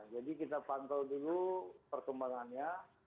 jadi kita pantau dulu perkembangannya